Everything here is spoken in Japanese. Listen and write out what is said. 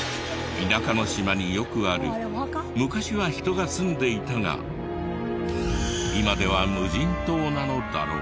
田舎の島によくある昔は人が住んでいたが今では無人島なのだろう。